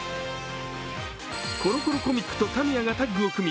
コロコロコミックとタミヤがタッグを組み